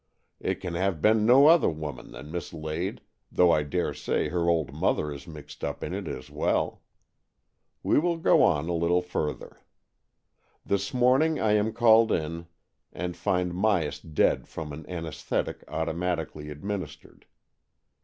It can have been no other woman than Miss AN EXCHANGE OF SOULS 115 Lade, though I dare say her old mother is mixed up in it as well. We will go on a little further. This morning I am called in and find Myas dead from an anaesthetic auto matically administered.